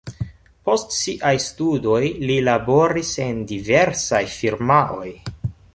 Post siaj studoj li laboris en diversaj firmaoj.